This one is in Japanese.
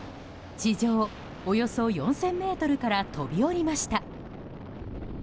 地上およそ４０００ｍから飛び降りました。